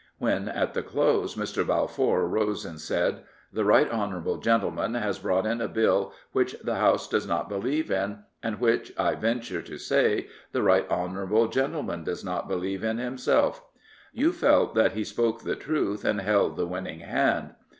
When at the close Mr. Balfour rose and said, " The right hon. gentleman has brought in a Bill which the House does not believe in, and which, I venture to say, the right hon. gentleman does not believe in himself," you felt that he spoke the truth and held the winning hand.